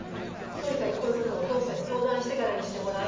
とにかくこういうことはお父さんに相談してからにしてもらう。